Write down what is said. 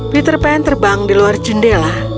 peter pan terbang di luar jendela